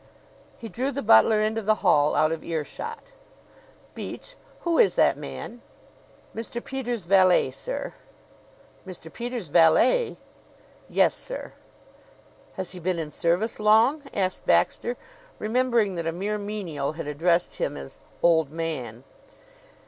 He drew the butler into the hall, out of earshot. "Beach, who is that man?" "Mr. Peters' valet, sir." "Mr. Peters' valet!" "Yes, sir." "Has he been in service long?" asked Baxter, remembering that a mere menial had addressed him as "old man."